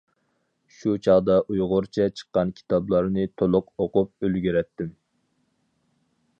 شۇ چاغدا ئۇيغۇرچە چىققان كىتابلارنى تولۇق ئوقۇپ ئۈلگۈرەتتىم.